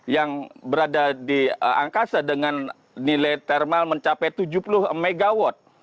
yang berada di angkasa dengan nilai thermal mencapai tujuh puluh mw